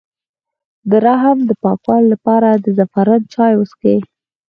د رحم د پاکوالي لپاره د زعفران چای وڅښئ